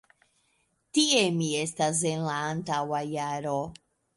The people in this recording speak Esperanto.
Tie mi estis en la antaŭa jaro.